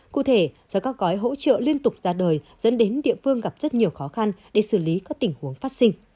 cụ thể do các gói hỗ trợ liên tục ra đời dẫn đến địa phương gặp rất nhiều khó khăn để xử lý các tình huống phát sinh